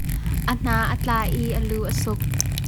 A hna a tla i a lu a suk.